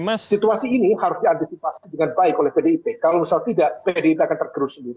nah situasi ini harus diantisipasi dengan baik oleh pdip kalau misal tidak pdip akan tergerus